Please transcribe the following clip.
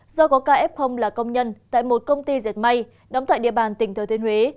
do có ca f là công nhân tại một công ty diệt may đóng tại địa bàn tỉnh thừa thiên huế